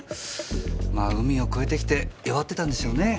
まぁ海を越えてきて弱ってたんでしょうね。